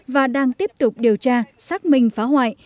và tiếp tục điều tra xác minh phá hoại